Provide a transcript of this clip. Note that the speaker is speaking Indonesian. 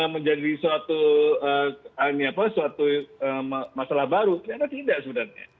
menjadi suatu masalah baru ternyata tidak sebenarnya